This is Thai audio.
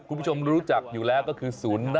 คุณผู้ชมรู้จักอยู่แล้วก็คือ๐๑